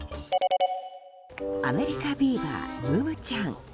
アメリカビーバームムちゃん。